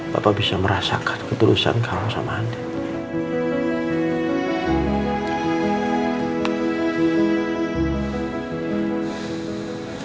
papa bisa merasakan ketulusan kamu sama andin